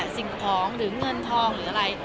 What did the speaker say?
สิ่งของหรือเงินทองหรืออะไร